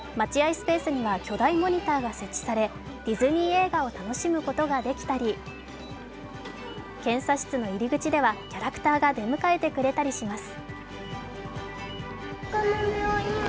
スペースには巨大モニターが設置されディズニー映画を楽しむことができたり、検査室の入り口ではキャラクターが出迎えてくれたりします。